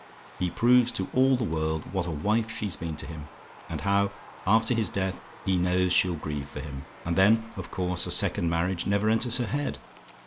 He proves to all the world what a wife she's been to him; and how, after his death, he knows she'll grieve for him. And then, of course, a second marriage never enters her head.